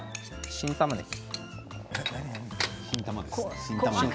新たまねぎ。